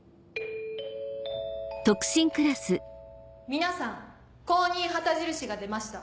皆さん公認旗印が出ました。